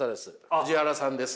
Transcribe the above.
藤原さんです。